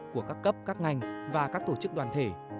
của các cấp các ngành và các tổ chức đoàn thể